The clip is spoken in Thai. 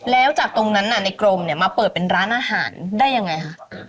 แล้วจากตรงนั้นนะในกรมมาเปิดเป็นร้านอาหารได้อย่างไรคะ